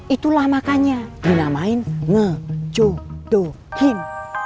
itulah makanya dinamain nge jodohin